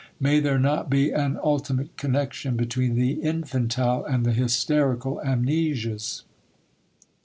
May there not be an ultimate connection between the infantile and the hysterical amnesias?